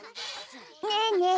ねえねえ